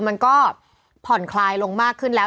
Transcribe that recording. มันก็ผ่อนคลายลงมากขึ้นแล้ว